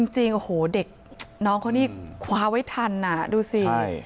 จริงโอ้โหเด็กน้องเขานี่คว้าไว้ทันดูสิ